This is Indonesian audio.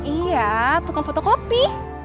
iya tukang fotokopi